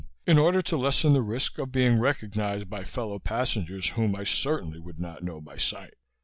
in order to lessen the risk of being recognized by fellow passengers whom I certainly would not know by sight.